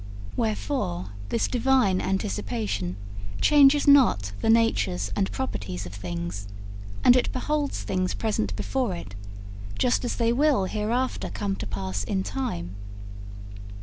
Wherefore this Divine anticipation changes not the natures and properties of things, and it beholds things present before it, just as they will hereafter come to pass in time.